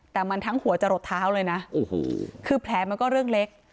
แต่มันทั้งหัวจะหลดเท้าเลยนะโอ้โหคือแผลมันก็เรื่องเล็ก